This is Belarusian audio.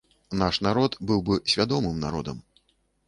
Наш народ быў бы свядомым народам.